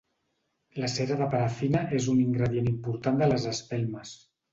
La cera de parafina és un ingredient important de les espelmes.